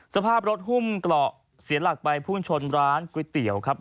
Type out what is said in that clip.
สภาพรถหุ้มเกราะเสียหลักไปพุ่งชนร้านก๋วยเตี๋ยวครับ